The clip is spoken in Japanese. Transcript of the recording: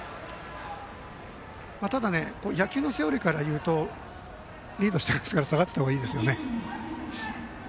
ただ野球のセオリーからいうとリードしているので下がっていたほうがいいですね。